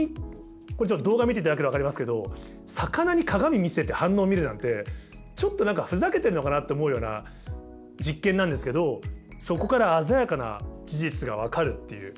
これちょっと動画見ていただけたら分かりますけど魚に鏡見せて反応見るなんてちょっと何かふざけてんのかなって思うような実験なんですけどそこから鮮やかな事実が分かるっていう。